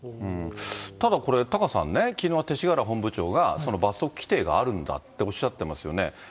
ただこれ、タカさんね、きのう、勅使河原本部長が罰則規定があるんだっておっしゃってますよね。